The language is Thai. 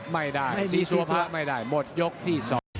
ไม่ได้ซีซัวพ่ะไม่ได้